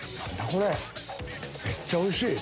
これめっちゃおいしい！